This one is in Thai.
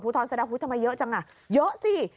ผู้ท้อนสะดาวทำไมเยอะจังอ่ะเยอะสิ